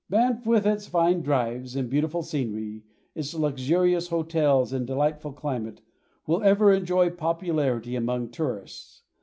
Banff, with its fine drives and beautiful scenery, its luxurious hotels and delightful climate, will ever enjoy popularity among tourists.